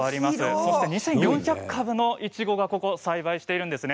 そして２４００株のいちごがここ栽培しているんですね。